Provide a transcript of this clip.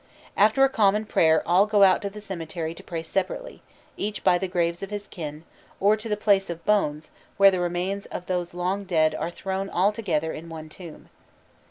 After a common prayer all go out to the cemetery to pray separately, each by the graves of his kin, or to the "place of bones," where the remains of those long dead are thrown all together in one tomb.